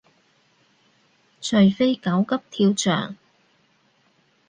除非狗急跳墻